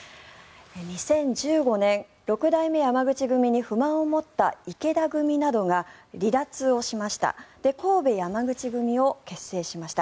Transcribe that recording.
２０１５年六代目山口組に不満を持った池田組などが離脱をしました。